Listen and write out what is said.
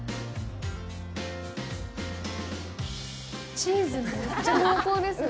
チーズがめっちゃ濃厚ですね。